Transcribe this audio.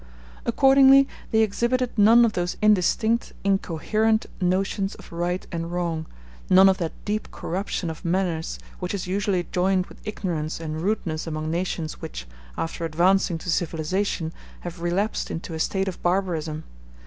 Accordingly, they exhibited none of those indistinct, incoherent notions of right and wrong, none of that deep corruption of manners, which is usually joined with ignorance and rudeness among nations which, after advancing to civilization, have relapsed into a state of barbarism.